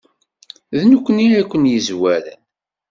D nekkni ay ken-yezwaren.